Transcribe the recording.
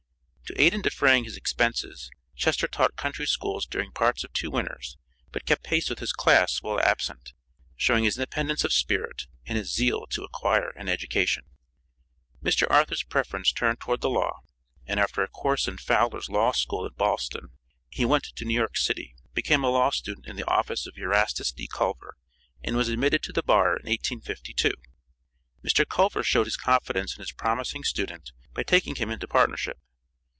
To aid in defraying his expenses, Chester taught country schools during parts of two winters, but kept pace with his class while absent, showing his independence of spirit, and his zeal to acquire an education. Mr. Arthur's preference turned toward the law, and after a course in Fowler's law school at Ballston, he went to New York city; became a law student in the office of Erastus D. Culver, and was admitted to the bar in 1852. Mr. Culver showed his confidence in his promising student by taking him into partnership.